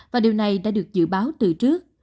và điều này đã được dự báo từ trước